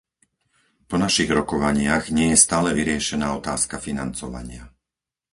Po našich rokovaniach nie je stále vyriešená otázka financovania.